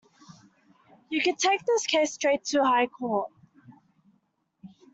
You can take this case straight to the High Court.